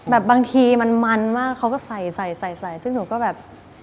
แบบบางทีมันมันมากเขาก็ใส่ซึ่งดูแบบ